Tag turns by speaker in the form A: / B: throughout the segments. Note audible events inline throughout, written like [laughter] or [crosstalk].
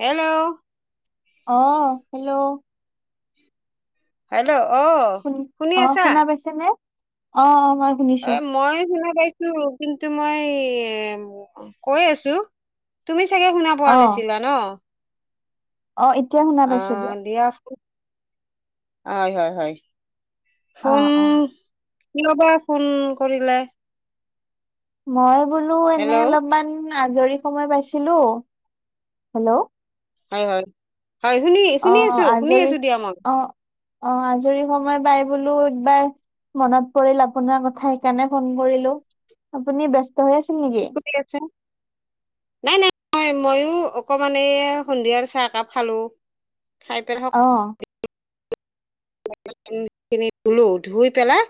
A: Hello
B: অ hello
A: hello অ
B: শুনি অ শুনা পাইছে নে অ মই শুনিছো।
A: এ মই শুনা পাইছো কিন্তু মই কৈ আছো তুমি চাগে শুনা
B: অ
A: পোৱা নাছিলা ন
B: অ এতিয়া শুনা
A: অ
B: পাইছো দিয়ক
A: দিয়া হয় হয় হয়
B: অ
A: ফোন
B: অ
A: কবা ফোন কৰিলে
B: মই বোলো এনে
A: হেল্ল'
B: অলপমান আজৰি সময় পাইছিলো হেল্ল'
A: হয় হয় হয় শুনি
B: অ
A: শুনি আছো শুনি
B: আজৰি
A: আছো দিয়া মই
B: অ অ আজৰি সময় পাই বোলো একবাৰ মনত পৰিল আপোনাৰ কথা সেইকাৰণে ফোন কৰিলো আপুনি বস্ত
A: কি ক আছে নাই নাই হয় ময়ো অকমান এই সন্ধিয়াৰ চাহ একাপ খালোঁ খাই পেলক
B: অ
A: ধুলো ধুই পেলাই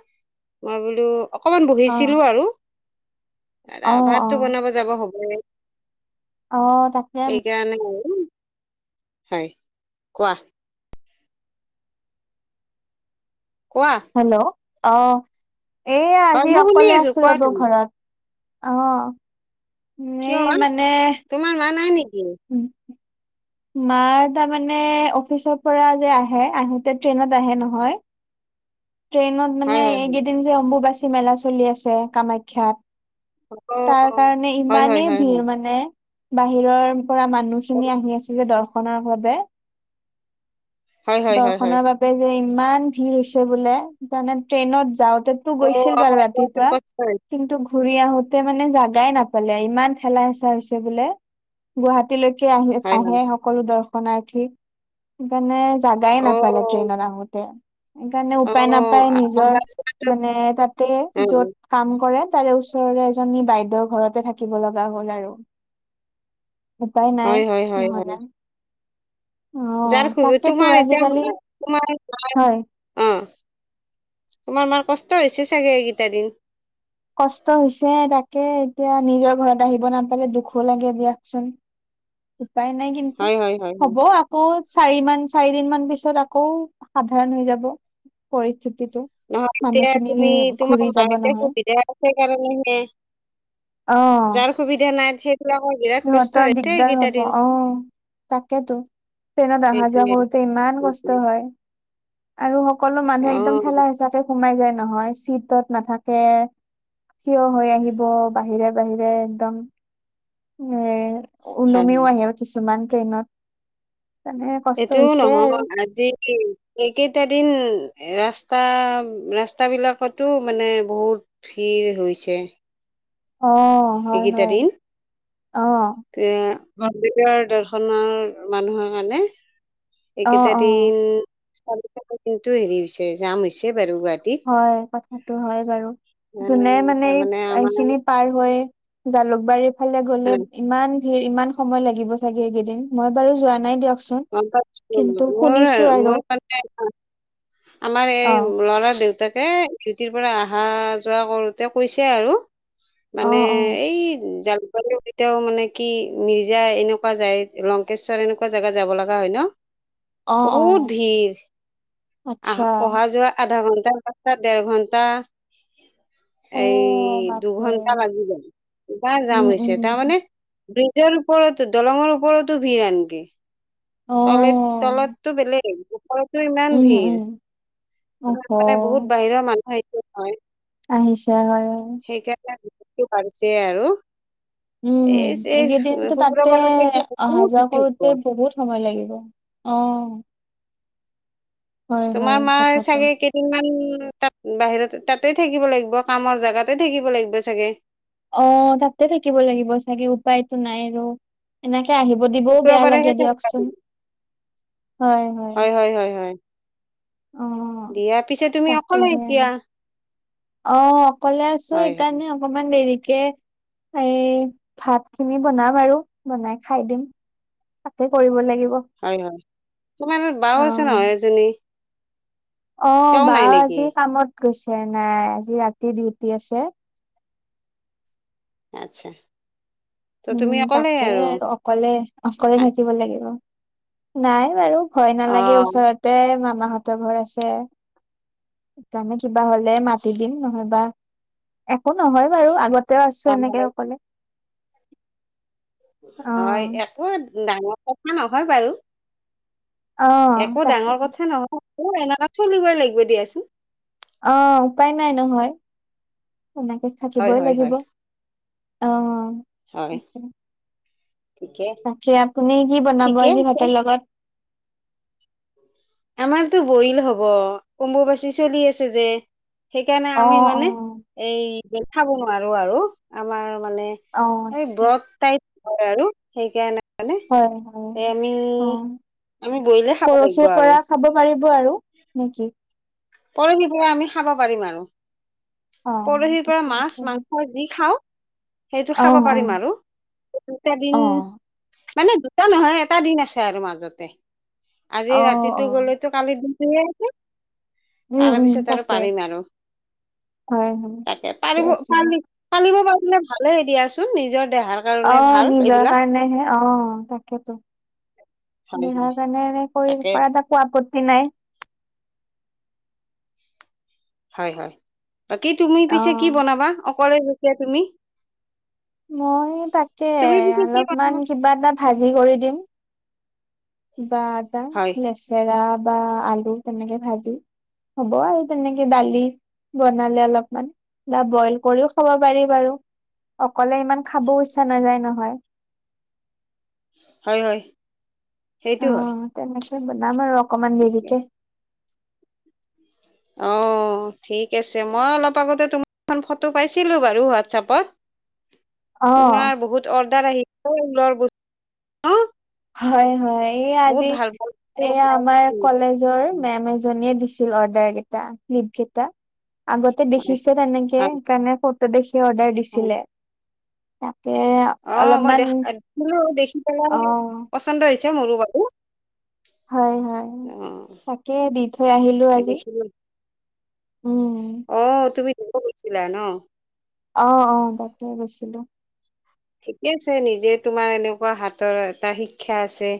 A: মই বোলো অকমান
B: অ
A: বহিছিলো আৰু
B: অ অ
A: ভাতটো বনাব যাব হ'বই
B: অ তাকে
A: হয় কোৱা কোৱা
B: হেল্ল' অ এ
A: হয়
B: আজি
A: মই শুনি
B: অকলে আছো
A: কোৱা
B: ৰ'ব
A: তুমি
B: ঘৰত আহ
A: কিয় তোমাৰ মা নাই নেকি
B: মাৰ তাৰ মানে অফিচৰ পৰা যে আহে আহোতে ট্ৰেইনত আহে নহয় ট্ৰেইনত
A: হয়
B: মানে
A: হয় হয়
B: এইকেইদিন যে অম্বুবাচী মেলা চলি আছে কামাখ্যাত
A: অ
B: তাৰ কাৰণে
A: হয় হয়
B: ইমানেই
A: হয় হয়
B: ভিৰ মানে বাহিৰৰ পৰা মানুহখিনি আহি আছে যে দৰ্শনৰ বাবে
A: হয় হয় হয় হয়
B: দৰ্শনৰ বাবে যে ইমান ভিৰ হৈছে বোলে তানে ট্ৰেইনত যাও তো
A: অ
B: গৈছিল
A: অ
B: বাৰু
A: হয় কচোন
B: ৰাতিপুৱা
A: কচোন
B: কিন্তু ঘূৰি আহো তে মানে জাগাই নাপালে ইমান খেলা হেচা হৈছে বোলে গুৱাহাটীলৈে আহ
A: হয় হয়
B: আহে সকলো দৰ্শনাৰ্থী সেইকাৰণে জাগাাই ন
A: অ
B: পলে ্ৰেইনতাঙোতে সেইকাৰণে
A: অ
B: উপায় নাপায় নিজৰ
A: অহা যোৱাটোত
B: মানে তাতে য'ত কাম কৰে তাৰে ওচৰৰে এজনী বাইদেউৰ ঘৰতে থাকিব লগা হ'ল আৰু উপাই
A: হয়
B: নাই
A: হয় হয় হয়
B: নহ'লে অ
A: যাৰ খুব
B: তাকেতো
A: তোমাৰ
B: আজিকালি
A: এতিয়ামাৰ
B: হয়
A: অ তোমাৰ মাৰ কষ্ট হৈছে চাগে এইকেইটা দিন
B: কষ্ট হৈছে তাকে এতিয়া নিজৰ ঘৰত আহিব নাপালে দুখো লাগে দিয়কচোন উপায় নাই কিন্তু
A: হয় হয় হয় হয়
B: হ'ব আকৌ চাৰি মান চাৰি দিন মান পিছত আকৌ সাধাৰণ হৈ যাব পৰি
A: নহয় এতিয়া তুমি
B: ঘূৰি
A: তোমাৰ
B: যাব
A: মাৰতি
B: নহয়
A: সুবিধা আছে কাৰণেহে
B: অ
A: যাৰ সুবিধা নাই সেইবিলাকৰ বিৰাট কষ্ট
B: সিহঁতৰ
A: হৈছে
B: দিগদাৰ
A: এইকেইটা
B: হ'ব
A: দিন
B: আহ তাকেতো। ট্ৰেইনত অহা যোৱা
A: সেইটোৱে
B: কৰোতে ইমান
A: সেইটোৱে
B: কষ্ট হয়। আৰু সকলো মানুহ
A: অ
B: একদম ঠেলা হেঁচাকে সোমাই যায় নহয় চিটত নাথাকে থিয় হৈ আহিব বাহিৰে বাহিৰে একদম। এ
A: হয় হয়
B: ওলমিও আহে কিছুমান ট্ৰেইনত। মানে কষ্ট
A: সেইটোও
B: হৈছে আৰু
A: নহয় আজি এইকেইটা দিন ৰাস্তা ৰাস্তাবিলাকতো মানে বহুত ভিৰ হৈছে।
B: অ হয়
A: এইকেইটা
B: হয়
A: দিন
B: অ
A: এ মন্দিৰৰ দৰ্শনৰ মানুহৰ কাৰণে
B: অ
A: এইকেইটা
B: অ
A: দিন তাৰি কিন্তু হেৰি হৈছে জাম হৈছে। বাৰু গুৱাহাটীত
B: হয় কথাটো হয় বাৰু
A: অ
B: যোনে মানে
A: তাৰমানে আমাৰ
B: এইখিনি পাৰ হৈ জালুকবাৰীৰ ফালে গ'লে ইমান ভিৰ ইমান সময় লাগিব চাগে এইকেইদিন মই বাৰু যোৱা নাই দিয়ক।
A: [unintelligible]
B: আৰু
A: আমাৰ
B: অ
A: এই ল'ৰাাৰ দেউতা তাকে ইউটিৰ পৰা অহা যোৱা কৰোতে কৈছে আৰু
B: অ
A: মানে
B: অ
A: এই জ এতিয়াও মানে কি মিৰ্জা এনেকুৱা যায় লংকেশ্বৰ এনেকুৱা জেগাত যাব লগা হয় ন।
B: অ অ
A: বহুত ভিৰ আহ
B: আচ্ছা
A: অহা যোৱা আধা ঘন্টা লা ডেৰ ঘণ্টা
B: অ
A: এই
B: বাপৰে
A: দুঘন্টা লাগি গল ইবাৰ যাম
B: উম
A: হৈছে
B: উম
A: তাৰমানে দুই নিজৰ ওপৰতো দলঙৰ ওপৰতো ভিৰ আনক।
B: অ
A: তল তলততো বেলেগ ঘৰটো ইমান
B: উম
A: ভিৰ
B: উম
A: মানে
B: অহ
A: বহুত বাহিৰৰ মানুহ আহ নয়
B: আহিছে হয় আৰু
A: ব পাৰিছে আৰু
B: উম
A: এই এই
B: এইকেইদিনতো তাতে
A: শুক্ৰবাৰলৈকে
B: অহা
A: বহুত
B: যোৱা
A: ৰ'দ
B: কৰোতে
A: থাকিব
B: বহুত সময় লাগিব। অ'। হয় হয়
A: তোমাৰ মাৰ
B: কথাটো
A: চাগে কেইদিনমান বাহিৰতে তাতে থাকিব লাগিব কামৰ জাগাতে থাকিব লাগিব চাগে।
B: অ', তাতে থাকিব লাগিব চাগে উপায়তো নাই আৰু এনেক আহিব দিবও বেয়া
A: শুক্ৰবাৰেহে
B: লাগে
A: চাগে
B: দিয়কচোন হয় হয়। অ
A: দিয়া পিছে তুমি অকলে
B: তাকেহে
A: এতিয়া।
B: অ', অকলে আছো
A: হয় হয়
B: সেইকাৰণে অকমান দেৰিত তাকে এই ভাত খিনি বনাম আৰু বনাই খাই দিম। তাকে কৰিব লাগিব।
A: হয় হয় তোমাৰ বাও
B: অ
A: আছে নহয় এজনী।
B: অ',
A: তেওঁ
B: বাৰ
A: নাই নেকি
B: আজি কামত গৈছে নাই আজি ৰাতি ডিউটি আছে।
A: আচ্ছা। ত
B: উম
A: তুমি অকলে
B: তাকে আৰু অকলে অকলে থাকিব লাগিব, নাই বাৰু। ভ
A: অ
B: নালাগে ওচৰতে মামাহতৰ ঘৰ আছে। সেইকাৰণে কিবা হলে মাতি দিম নহয়বা একো নহয় বাৰু আগতে আছো
A: হয়
B: এনেকে
A: হয়
B: অকলে। অ
A: হয় একো ডাঙৰ কথা নহয় বাৰু।
B: অ
A: একো
B: তাকে
A: ডাঙৰ কথা নহয় অ এনেকুৱা চলিবই লাগিব দিয়াচোন।
B: অ উপায় নাই নহয় সনেকে
A: হয়
B: থাকিবই
A: হয়
B: লাগিব।
A: হয়
B: অ'।
A: হয় ঠিকে
B: তাকে আপুনি কি বনাব
A: ঠিকে
B: আজি
A: আছে
B: ভাতৰ লগত।
A: আমাৰতো বইল হব কম্্ববাচী চলি আছে যে সেইকাৰণে
B: অ
A: আমি
B: অ
A: মানে এই খাব নোৱাৰো আৰু আমাৰ মানে
B: অ
A: এই
B: আচ্ছা
A: ব্ৰত টাইপ হয় আৰু সেইকাৰণে। হয়নে
B: হয় হয়
A: সে আমি
B: অ
A: আমি বইলে খাব লাগিব
B: পৰহিৰ
A: আৰু।
B: পৰা খাব পাৰিব আৰু নেকি?
A: পৰখিৰ পৰা আমি খাব পাৰিম আৰু।
B: অ
A: পৰহিৰ পৰা
B: ঠিকে
A: মাছ
B: আছে দে।
A: মাংস যি খাওঁ, সেইটো
B: অ
A: খাব
B: অ
A: পাৰিম আৰু এই দুটা দিন
B: অ
A: মানে দুটা নহয় এটা দিন আছে আৰু মাজতে
B: অ
A: আজি
B: অ
A: ৰাতিটো গলেতো কালি দিন
B: উম
A: তাৰ
B: উম
A: পিছত আৰু
B: তাকে
A: পাৰিম আৰু।
B: হয় হয়
A: তাকে
B: ঠিকে
A: পাৰিব
B: আছে দে
A: পি পালিব পাৰিলে ভালে দিয়াচোন নিজৰ দেহাৰ কাৰণে
B: অ'
A: ভাল
B: নিজৰ
A: এইবিলাক
B: কাৰণেহে অ' তাকেতো।
A: হয় হয়
B: দিহাৰ কাৰণে এনে কৰি
A: তাকে
B: কৰা এটা আপত্তি টি নাই।
A: হয়-হয় বাকি তুমি
B: অ'।
A: পিছে কি বনাবা অকলে যেখা তুমি।
B: মই তাকে
A: তুমি পিছে কি
B: অলপমান
A: বনাবা
B: কিবা এটা ভাজি কৰি দিম। বা আটা
A: হয়
B: লেচেৰা বা আলু তেনেকে ভাজি। হ'ব আৰু তেনেকে দালি, বনালে অলপমান বা বইল কৰিও খাব পাৰি বাৰু। অকলে ইমান খাব ইচ্ছা নাযায় নহয়।
A: হয়-হয় সেইটো হয়।
B: অ', তেনেকে বনাম আৰু অকমান দেৰিকে।
A: অঁ', ঠিক আছে মই অলপ আগতে তোমাৰখন ফটো পাইছিলোঁ বাৰু হোৱাটছপত।
B: অ',
A: তোমাৰ বহুত অৰ্ডাৰ আহিছ লৰ বস্তু
B: হয়-হয় এই
A: বহুত
B: আজি
A: ভাল ভাল বস্তু
B: এই আমাৰ
A: ওলাইছে
B: কলেজৰ মেম এজনীয়ে দিছে। দিছিল অৰ্ডাৰ কেইটা নোত কেইটা আগতে
A: হয়
B: দেখিছে তেনেকে
A: হয়
B: ফটোদেখি অৰ্ডাৰ
A: হয়
B: দিছিলে তাকে
A: অ মই
B: অলপমান
A: দেখা দেখিলো দেখি
B: অ
A: পচন্দ হৈছে মোৰো বাৰু।
B: হয়-হয়
A: অ
B: তাকে দি থৈ আহিলো
A: মই
B: আজি।
A: দেখিলো
B: উম।
A: অ', তুমি দিব গৈছিলা ন।
B: অ'-অ', তাকে গৈছিলো।
A: ঠিকে আছে নিজে তোমাৰ এনেকুৱা হাতৰ এটা শিক্ষা আছে।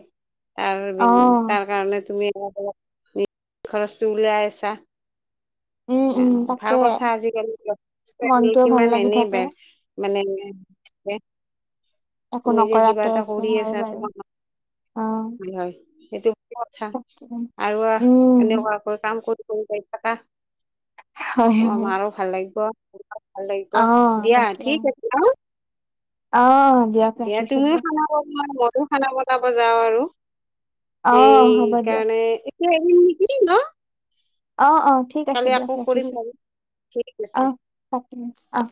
B: অ
A: ত তাৰ কাৰণে তুমি খৰচটো উলাই আছা।
B: উম উম
A: অ'
B: তাকে।
A: ভাল কথা আজিকালি ছোৱালী
B: মনটোও ভাল
A: কিমান
B: লাগি
A: এনেই
B: থাকে
A: বে মানে
B: একো
A: তুমি যে কিবা
B: নকৰাকে
A: এটা
B: আছে
A: কৰি
B: হয়
A: আছা
B: বাৰু
A: তোমাৰ
B: অ।
A: হয়, সেইটো কথা
B: তাকে
A: আৰু আহ
B: উম
A: এনেকুৱাকৈ কাম কৰি কৰি গৈ থাকা
B: হয় হয়।
A: আমাৰো ভাল লাগিব। ভাল লাগিব
B: অ
A: দিয়া
B: তাকে
A: ঠিক আছে অ।
B: অ', দিয়ক
A: দিয়া
B: ৰাখিছো
A: তুমিও
B: দিয়ক
A: খানা বনোৱা মইয়ো খানা বনাব যাওঁ আৰু।
B: অ
A: সেই
B: হ'ব দিয়ক।
A: কাৰণে এতিয়া ন
B: অ'-অ', ঠিক আছে
A: কালি
B: দিয়ক
A: আকৌ কৰিম
B: ৰাখিছোঁ
A: বাৰু ঠিক আছে
B: অ'-অ',। [inaudible]